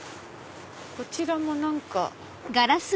こちらも何か。